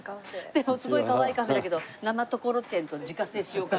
でもすごいかわいいカフェだけど生ところてんと自家製塩辛。